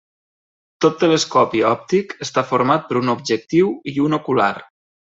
Tot telescopi òptic està format per un objectiu i un ocular.